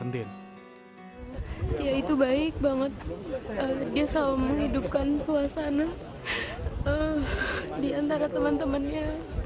dia itu baik banget dia selalu menghidupkan suasana di antara teman temannya